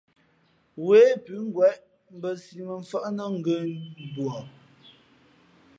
Wē pʉ̌ ngwěʼ mbᾱ siʼ mα mfάʼ nά ngə̂nduα.